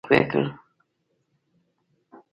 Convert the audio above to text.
دې چارې بنسټي بدلونونه تقویه کړل.